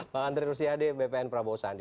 bang andri rusiade bpn prabowo sandi